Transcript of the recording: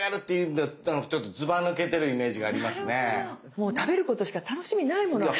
もう食べることしか楽しみないもの私。